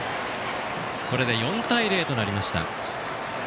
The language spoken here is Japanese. これで４対０となりました。